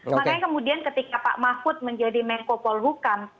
makanya kemudian ketika pak mahfud menjadi menko polhukam